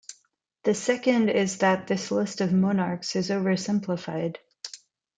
The second is that this list of monarchs is oversimplified.